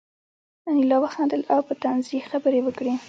انیلا وخندل او په طنز یې خبرې وکړې